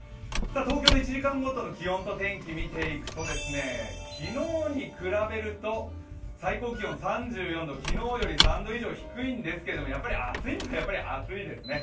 東京の１時間ごとの気温と天気見ていくと昨日に比べると最高気温３４度、昨日より３度以上低いんですけれどもやっぱり暑いですね。